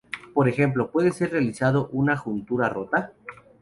Por ejemplo, puede ser realizado en una juntura-rota???